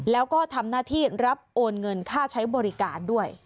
แล้วก็ทำหน้าที่รับโอนเงินค่าใช้บริการด้วย